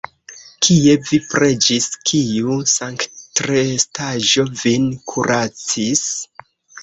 Kie vi preĝis, kiu sanktrestaĵo vin kuracis?